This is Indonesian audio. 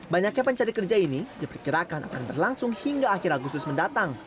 banyaknya pencari kerja ini diperkirakan akan berlangsung hingga akhir agustus mendatang